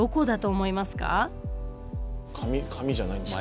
前髪じゃないんですか？